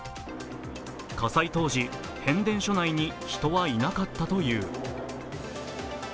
火災当時、変電所内に人はいなかったという。